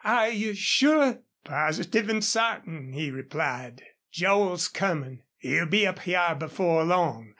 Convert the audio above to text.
"Are you SURE?" "Positive an' sartin," he replied. "Joel's comin'. He'll be up hyar before long.